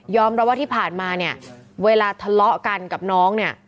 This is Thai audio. รับว่าที่ผ่านมาเนี่ยเวลาทะเลาะกันกับน้องเนี่ย